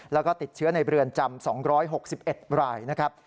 แล้วก็ติดเชื้อในเรือนจำ๒๖๑รายนะครับ